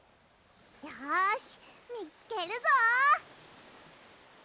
よしみつけるぞ！